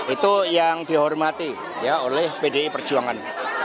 itu yang dihormati oleh pdi perjuangan